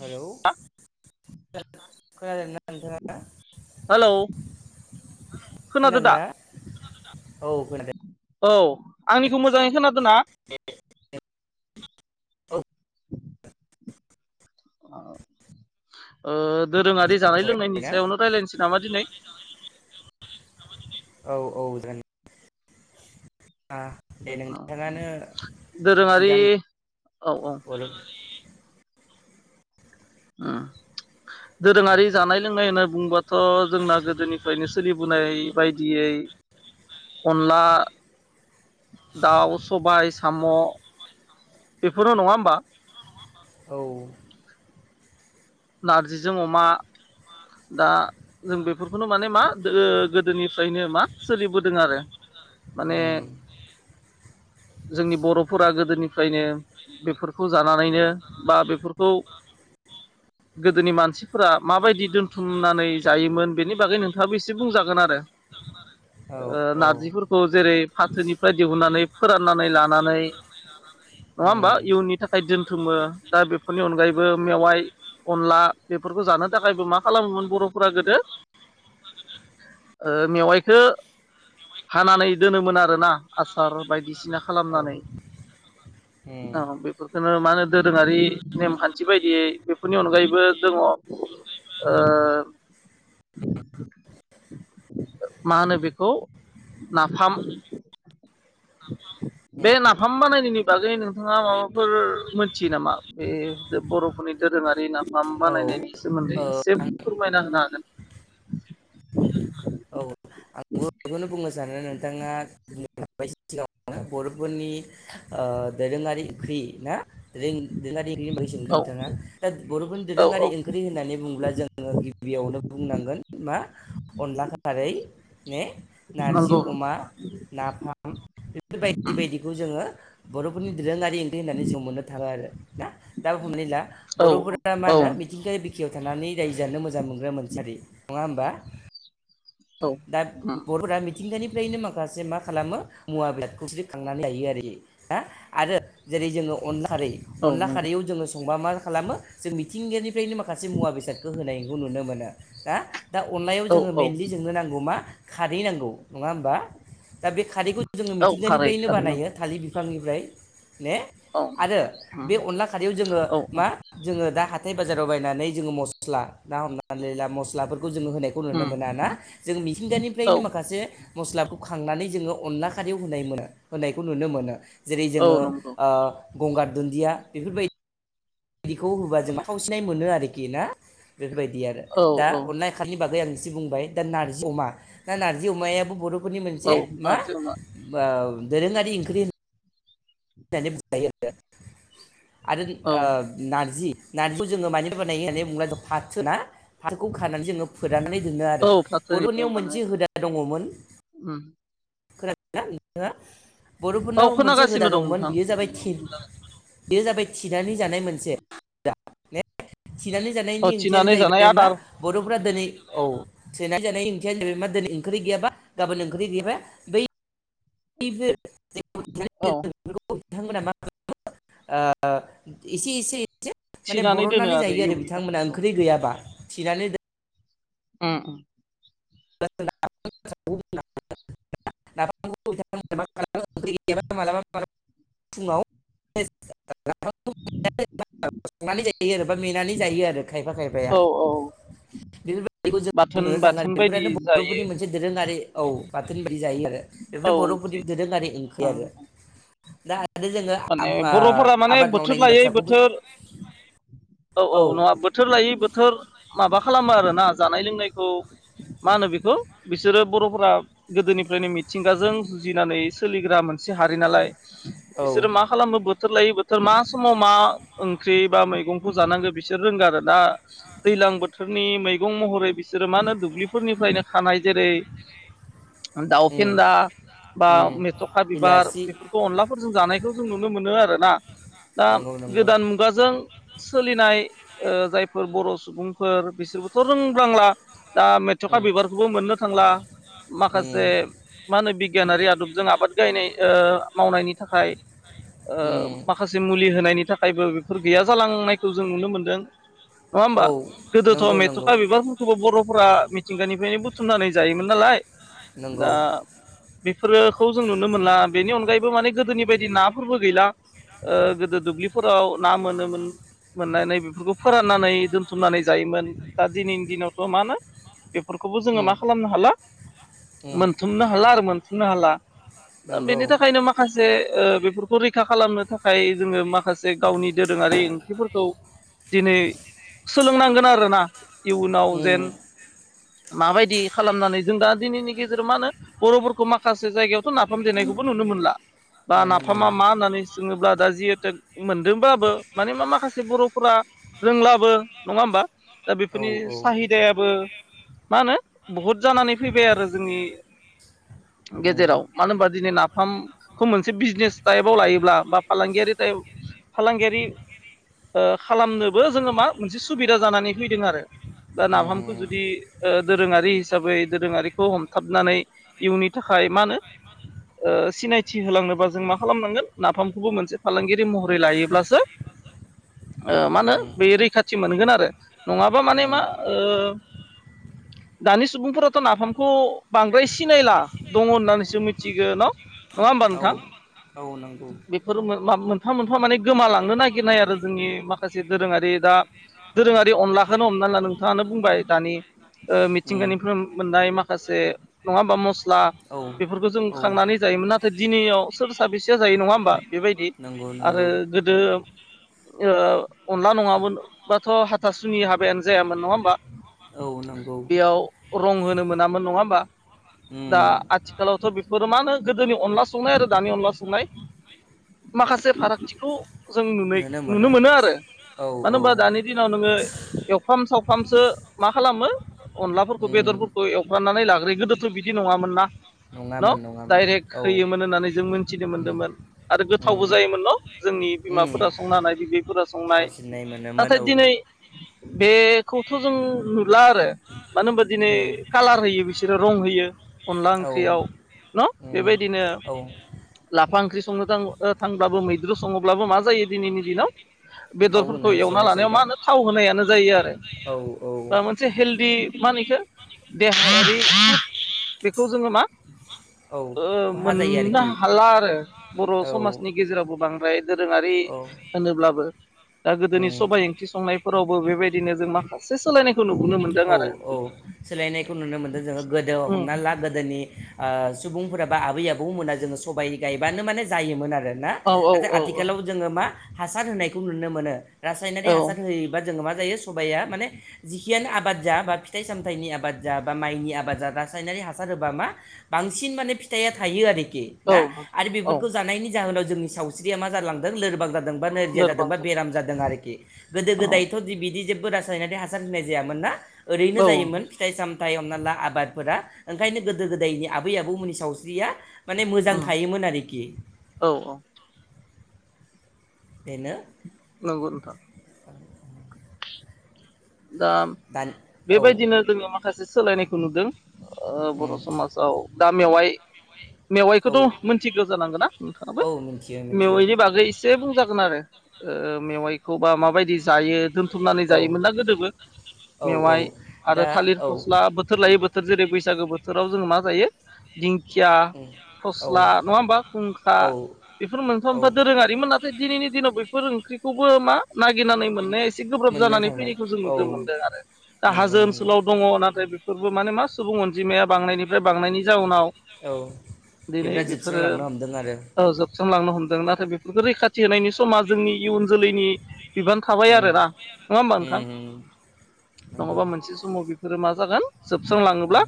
Hello खोनादों ना नोंथांङा हेलौ [unintelligible] खोनादो खोनादों दा ना औ खोनादों औ आंनिखौ मोजांङै खोनादो ना [unintelligible] औ ओ‌ दोरोंङारि जानाय लोंनायनि सावरायना सायावनो राय्लायनोसै नामा दिनै औ-औ जानि आ नोंथाङानो दोरोंङारि सिगां औ-औ हरो उम दे दोरोङारि जानाय लोंनाय होनना बुंबाथ' जोंना गोदोनिफ्रायनो सोलिबोनाय बे बायदियै अनला दाउ सबाय साम' बेफोरल' नंङा होमबा औ नारजिजों अमा दा जों बेफोरखौनो माने मा गोदोनिफ्रायनो मा सोलिबोदों आरो माने ए जोंनि बर'फोरा गोदोनिफ्रायनो बेफोरखौ जानानैनो बा बेफोरखौ [inaudible] गोदोनि मानसिफोरा माबायदि दोनथुमनानै जायोमोन बेनि बागै नोंथाङाबो एसे बुंजागोन आरो। जागोन। नारजिफोरखौ जेरै फाथोनिफ्राय दिहुननानै फोराननानै लानानै नंङा होमबा उम इयुननि थाखाय दोनथुमो दा बेफोरनि अनगायैबो मेवाइ अनला बेफोरखौ जानो थाखायबो मा खालामोमोन बर'फोरा गोदो मेवाइखौ। हानानै दोनोमोन आरोना आसार बायदिसिना औ खालामनानै। उम उम औ बेफोरखौनो मा होनो दोरोङारि नेमखान्थि बायदियै। फोरनि अनगायैबो दङ‌़ मा होनो बेखौ नाफाम। [inaudible] बे नाफाम बानायनायनि बागै नोंथाङा माबाफोर मोनथियो नामा बे बर'फोरनि दोरोङारि नाफाम औ बानायनायनि सोमोन्दै एसे ओ फोरमायना होनो हागोन। [inaudible] जानानो नोंथाङा। बर'फोरनि दोरोङारि ओख्रि ना दोरोङारि ओंख्रिनि बायै सदों नोंथाङा हागोन दा बर'फोरनि औ औ दोरोङारि ओंख्रि होननानै बुङोब्ला जोङो गिबियावनो बुंनांगोन मा अनला खारै ने नारजि नंगौ अमा नाफाम बेफोरबायायदि बायदिखौ जोङो। बर'फोरनि दोरों। ओंख्रि होननानै जों मोननो थाङो आरो ना दा हमनानै ला औ बर'फोरा मा औ होनो मिथिंगायारि बिखायाव थानानै दाय जानो मोजां मोनग्रा मानसियारि नङा होमबा। औ दा बर'फोरा मिथिंगानि। बेफ्रायनो माखासे मा खालामो मुवा बेसादखौसो खांनानै लायो आरो हा आरो जेरै जोङो। अन खारै औ अनला नंगौ खारैयाव जोङो। संबा मा खालामो जों मिथिंगायानिफ्रायनो माखासे मुवा बेसादखौ होनायखौ नुनो मोनो। दा अनलायाव औ जोङो औ मइलि नांगौ मा खारै नांगौ नंङा होमबा। दा बे खारैखौ जोङो औ खारै मिथिंगानिफ्रायनो खारै बानायो नंगौ थालिर बिफांनिफ्राय ने औ आरो बे अनला खारैयाव जोङो औ मा जोङो दा ह। हाथथाय बाजाराव बायनानै जोङो मस्ला ना हमनानै लिरला मस्लाफोरखौ जोङो होनायखौ नुनो मोना ना? जों औ मिथिंगानिफ्रायनो माखासे मस्लाख खांनानै जोङो अनला खारियाव नुनो मोनो जेरै औ जोङो। नंगौ गंगार दुन्दिया बेफोरबायदि बिायदिखौ होबा जों आाथावसिनाय मोनो आरोखि ना। बेफोरबायदि आरो औ दा औ अनला खारैनि बागै आं बुंबाय दा नारजि अमा दा नारजि अमायाबो बर फोरनि मोनसे औ मा नारजि अमा दोरोङारि ओंख्रि होननानै होननानै बायो आरो आरो औ नारजि नानिखौ जोङो मानि बानाय होननानै बुंङोबा जों फाथोना फाथखौ ख जोङो फोन रकशशखशनानै दोनो आरो औ फाथोनिफ्राय बर'नियाव मोनसे बानाय हुदा दङमोन। खोनादों ना नोंथाङा! औ बर'फोरनाव मोनसे हुदा खोनागासिनो दं दंमोन नोंथां बेयो जाबाय थिन बुंजागोन बेयो जाबाय थिनानै जानाय मोनसे ने थिनानै जानायनि औ ओंथियानो थिनानै जानाय जाहैबाय मा आदार बर' फोरा औ सोनानै जानाय ओंथियानो जाबायै ओंख्रि गैयाबा। गाबोन ओंखखि गैयाबा बै [unintelligible] औ। नोंथां मोनहा मा ओ इसे इसे माने थिनानै दोनो बरननानै जायो आरो इयुननि थाखाय बिथांमोना औ। ओंख्रै गैयाबा थिनानै दोन ओम। [unintelligible] [unintelligible] [unintelligible] संनानै जायो आरो बा मेनानै जायो आरो। खायफा खायफाया औ औ बि खौ जों बाथोन नुनो थाङो आरो बाथोन बायदि बेफोरानो जायो बर'फोरनि मोनसे दोरोङारि औ बाथोन बिदि जायो आरो। औ बेफोरनो बर'फोरनि ओंख्रि दोरोङारि ओंख्रि ओ आरो दा आरो जोङो ओ माने बर'फोरा माने आबाद बोथोर मावनायनि लायै बाथ्राखौबो बोथोर औ औ नङा बोथोर लायै बोथोर माबा खालामो आरोना जानाय लोंनायखौ मा होनो बेखौ बिसोरो बर'फोरा गोदोनिफ्रायनो मिथिंगाजों जुजिनानै सोलिग्रा मोनसे से हारि नालाय औ बिसोरो मा खालामो बोथोर लायो बोथोर मा समाव मा ओंख्रि बा मैगं खौ जानांगो बिसोर रोंगो आरो। दा दैज्लां बोथोरनि मैगं महरै बिसोरो मा होनो दुब्लिफोरनिफ्रायनो खानाय जेरै दाउ उम फेन्दा बा उम मेथ'खा बिबार हिलासि बेफोरखौ अनलाफोरजों जानायखौ जों नुनो मोनो आरो। ना दा नंगौ नंगौ गोदान मुगाजों जायफोर बर' सुबुंफोर बिसोरबोथ' रोंब्लांला दा मेथ'खा उम बिबारखौबो मोननो थांला उम माखासे मा होनो बिगियानारि आदब जुगजों आबाद गायनाय ओ मावनायनि थाखाय ओ उम माखासे मुलि होनायनि थाखायबो बेफोर गैया जालांनायखौ जों नुनो मोनदों। नङा औ होमबा गोदोथ' नंगौ नंगौ मेथ्र'खा बिबारफोरखौबो बर'फोरा मिथिंगानिफ्रायनो बुथुमनानै जायोमोन नालाय दा नंगौ बेफोरखौ जों नुनो मोनला बेनि अनगायैबो माने गोदोनि बायदि नाफोरबो गैला ओ गोदो दुब्लि फोराव ना मोनोमोन मोननानै बेफोरखौ फोराननानै दोनथुमनानै जायोमोन दा दिनैनि दिनावथ' मा होनो बेफोरखौबो जोङो उम मा खालामनो हाला उम मोनथुमनो हाला आरो मोनफुंनो हाला। नंगौ बेनि थाखायनो माखासे ओ बेफोरखौ रैखा खालामनो थाखाय जोङो माखासे गावनि दोरोङारि ओंख्रिफोरखौ दिनै सोलोंनांगोन आरोना इयुनाव जेन उम माबायदि खालामनानै जों दा दिनैनि गेजेराव मा होनो बर'फोरखौ माखासे जायगायाव नाफाम देनायखौबो नुनो मोनला बा नुनो नाफामा मोनदों मा होननानै सोङोब्ला दा जिहेथु मोनदोंबाबो माने मा माखासे बर'फोरा रोंलाबो नङा होमबा? दा औ बेफोरनि औ साहिदायाबो मा होनो बहुद जानानै फैबाय आरो जोंनि उम गेजेराव मानो होनबा दिनै नाफाम खौ मोनसे बिजनेस टाइपआव लायोब्ला बा फालांगियारि टाइप फालांगियारि ओ खालामनोबो जोङो मा मोनसे सुबिदा जानानै फैदों आरो। बा उम नाफामखौ जुदि दोरोङारि हिसाबै दोरोङारिखौ हमथाबनानै इयुननि थाखाय मा होनो ओ सिनायथि होलांनोबा जों मा खालामनांगोन नाफामखौबो मोनसे फालांगियारि महरै लायोब्लासो मा होनो उम बे रैखाथि मोनगोन आरो। नङाबा माने मा उम ओ [inaudible] दानि सुबुंफोराथ' नाफामखौ बांद्राय सिनायला दङ होननानैसो मिथिगो न' नङा होमबा औ नोंथां औ नंगौ बेफोर मोनफा मोनफा माने गोमालांनो नागिर नाय आरो जोंनि माखासे दोरोङारि दा दोरोङारि अनलाखौनो हमना ला नोंथाङानो बुंबाय दानि ओ उम मिथिंगानिफ्राय मोननाय माखासे नङा होमबा मस्ला औ बेफोरखौ जों औ खांनानै जायोमोन नाथाय दिनैयाव सोर साबेसेया जायो नङा होमबा? बेबायदि नंगौ आरो नंगौ गोदो ‌ ओ अनला नङामोन बाथ' हाथासुनि हाबायानो जायामोन नङा होमबा? औ नंगौ बेयाव रं होनो मोनामोन नङा होमबा? दा उम आथिखालावथ' बेफोरो मा होनो गोदोनि अनला संनाय आरो दानि अनला संनाय। माखासे फारागथिखौ जों नुनाय नुनो मोनो आरो औ मानो औ होनबा दानि दिनाव नोङो एवफ्राम साव फ्रामसो मा खालामो अनलाफोरखौ उम बेदरफोरखौ एवफ्रानानै लाग्रोयो गोदोथ' बिदि नङामोन ना। न' नङामोन नङामोन डाइरेक्ट औ उम होयोमोन होननानै जों मोनथिनो मोनदोंमोन आरो उम गोथावबो जायोमोन न'। जोंनि उम बिमाफोरा संनो होनाय बिबैफोरा संनाय थावसिननाय मोनोमोन नाथाय औ उम दिनै बे खौथ' जों नुला आरो मानो होनबा दिनै कालार होयो बिसोरो रं होयो। अनला औ ओंख्रियाव न' उम बेबायदिनो औ ला फा ओंख्रि संनो थां ओ थांब्लाबो मैद्रु सङोब्लाबो मा जायो दिनैनि दिनाव। थाव बेदरफोरखौ होनानै एवना सङो लानायाव मा सोरबा होनो थाव होनायानो जायो आरो। औ औ बा मोनसे हेलदि माने देहायारि ओंखायनो बेखौ जोङो मा औ ओ खहा जायो मोननो आरोखि हाला आरो बर' औ समाजनि गेजेरावबो बांद्राय दोरोङा औ होनोब्लाबो दा गोदोनि उम सबायाइ ओंख्रि संनायफोरावबो बेबायदिनो जों माखासे सोलायनाय औ-औ सोलायनायखौ नुनो मोनदों जोङो गोदो उम हमना ला गोदोनि -सुबुंफोराबा आबै-आबौमोना जोङो सबाय गायबानो माने जायोमोन आरो। ना औ औ औ आथिखालाव जोङो मा हासार होनायखौ नुनो मोनो रासायनारि औ होयि बा जोङो मा जायो साया माने जिखियानो आब आबाद जा बा फिथाइ-सामथाइनि आबाद जा बा माइनि आबाद जा रासायनारि हासार होबा मा बांसिन माने फि थाया थायो आरोखि औ ना नोंथां आरो औ बेफोरखौ जानायनि जाहोनाव जोंनि सावस्रिया मा जालांदों लोरबां जादों। बा नोरजिया जादों लोरबां बा जानानै बेराम जादों आरोखि गोदो औ गोदायथ' बिदि जे बो रासायनारि हासार होननाय जायामोना ओरैनो औ जायोम फिथ साम थाय हमना ला आबादफोरा ओंखायनो गोदो गोदायनि आबै-आबौमोननि सावस्रिया माने मोजां उम थायोमोन आरोखि। औ औ बेनो। नोंगौ नोंथां। दा दानि औ बेबायदिनो जोङो माखासे सोलायनायखौ नुदों। ओ बर' उम समासाव दा मेवाय औ मेवाइखौथ' मोनथिगौ जानांगौन ना नोंथाङाबो? औ मिथियो मिथियो मेवाइनि बागै एसे बुंजागोन आरो। ओ मेवाइखौबा माबायदि जायो दोनथुमनानै औ जायोमोन ना गोदो औ औ मेवाइ आरो दा थालिर औ फस्ला बोथोर लायै बोथोर जेरै- बैसागो बो थोराव जों मा जायो दिं खिया उम औ फस्ला नङा होमबा खुंखा औ बेफोर औ मोनफा-मोनफा दोरोङारिमोन नाथाय दिनैनि दिनाव बेफोर ओंख्रिखौबो मा नागिरनानै मोननाया एसे गोब्राब मोननो जानानै थांला फैनायखौ जों नु औ दो मोनदों आरो दा नंगौ हाजो नंगौ ओनसोलाव दङ नाथाय बे फोरबो माने मा सुबुं अनजिमाया बांनायनिफ्राय बांनायनि जाउनाव। औ दिनै बेफ्रा बेफोरो जोबस्रांलांनो हमदों आरो ओ जोबस्रांलांनो हमदों ना थाय बेफोरखो रैखाथि होनायनि समा जोंनि इयुन जोलैनि बिबान थाबाय उम आरोना नोङा होमबा नोंथां? उम उम नंगौ नङाबा मोनसे समाव बेफोरो मा जागोन। औ जोबस्रांलाङोब्ला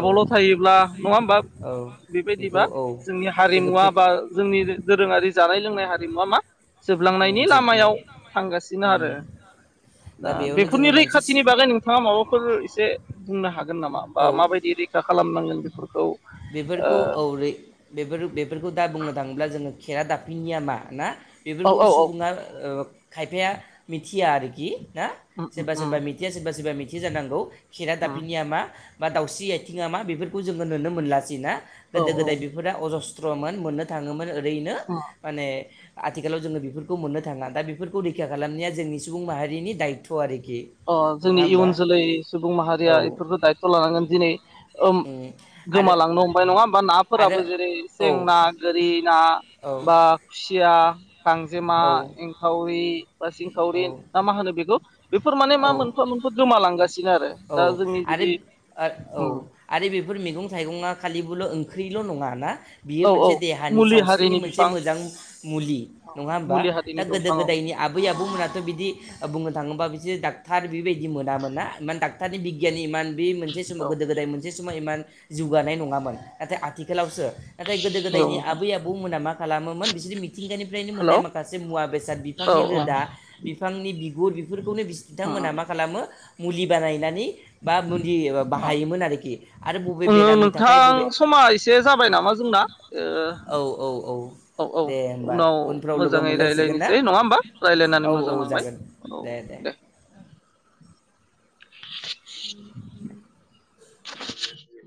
औ थायोब्ला नङा होमबा औ बेखौ बेबायदिबा औ जोंनि जोङो हारिमुवा पिक बा जोंनि दोरोङारि जानाय लोंनायनि हारिमुवा मा जोबलांनायनि जोबनाय लामायाव थांगासिनो आरो दा बेयावनो जोङो फोरफोरनि मोनसे रैखाथिनि बागै नोंथाङा माबाफोर एसे बुंनो हा हागोन नामा बा औ माबायदि रैखा खालामनांगोन बेफोरखौ बेफोरखौ औ रै बेफोर बेफोरखौ दा बुंनो थाङोब्ला जोङो खेरा दाफिनिया मा ना ओ औ बेफोरखौ औ औ सुबुङा ओ, खायफाया मिथि मिथिया आरोखि ना उम उम सोरबा सोरबा मिथिया सोरबा सोरबा मिथियो जानांगौ खेरा उम दाफिनिया मा बा दाउस्रि आथिङा मा बेफोरखौ जोङो नुनो मोनलासै ना औ गोदो औ गोदाय बेफोरो अजस्त्रमोन मोननो थाङोमोन ओरैनो माने आथिखालाव जोङो बेफोरखौ मोननो थाङा। दा बेफोरखौ रैखा खालामनाया जोंनि सुबुं माहारिनि दायथ' आरोखि अ, नङा जोंनि होमबा इयुन जोलै सुबुं औ माहारिया बेफोरखौ दायथ' लानांगोन दिनै उम आरो गोमालांनो हम फाय नङा होमबा आरो नाफोराबो जेरै औ सें ना गोरि ना औ बा खुसिया गांजेमा औ एंखावरि बा सिंखावरि ना मा होनो बेखौ फोर माने मा मोनफा मोनफा गोमालांगासिनो आरो दा औ जोंनि आरो जुदि औ आरो बेफोर मैगं थाइगंआ दाखालिबोल' ओंख्रिल' नङा ना? बियो औ औ मोनसे देहानि मुलि सावस्रिनि हारिनि मोनसे बिफां मोजां मुलि औ नङा होमबा? मुलि दा हारिनि गोदो दंफां औ गोदाय नि आबै आबौमोनथ' बिदि बुंनो थाङोबा बिसोर डक्टार बेबायदि मोनामोन ना मानोना इमान डाक्टारनि बिगियानि इमान बे मोनसे समाव औ गोदो गोदाय मोनसे बेसाव इमान जौगानाय नङामोन नाथाय आथिखालावसो नाथाय गोदो गोदायनि नोंथां आबै आबौमोना मा खालामोमोन बिसोरनि मिथिंगानिफ्रायनो हेलौ मोननाय माखासे मुवा बेसाद बि औ बिफांनि औ रोदा बिफांनि बिगुर बेफोरखौनो बिथांमोनहा मा खालामो मुलि बानायनानै बा मुलि बाहायोमोन आरोखि आरो बबे औ बेरामनि थाखाय बबे दामा जोंना औ-औ-औ ओ औ औ दे होमबा उनाव उनफ्राव लोगो मोजाङै मोनलायसिगोन ना! रायज्लायनोसै नङा होमबा रायज्लायनानै औ मोजां औ नांबाय जागोन औ दे दे दे [inaudible] [unintelligible] [inaudible] [unintelligible]